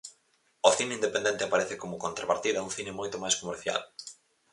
O cine independente aparece como contrapartida a un cine moito máis comercial.